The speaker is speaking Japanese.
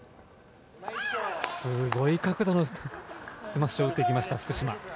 すごい角度のスマッシュを打っていきました、福島。